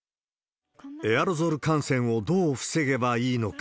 エアロゾル感染をどう防げばいいのか。